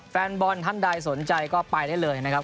แฟนบอลท่านใดสนใจก็ไปได้เลยนะครับ